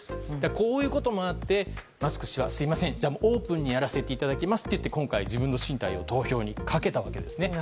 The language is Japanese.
こういうこともあってマスク氏は、すみませんじゃあオープンにやらせてもらいますと言って自分の進退を投票にかけたんですね。